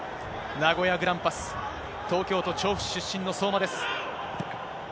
名古屋グランパス、東京都調布市出身の相馬です。